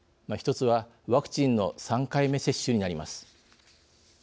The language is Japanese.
１つは、ワクチンの３回目接種になります。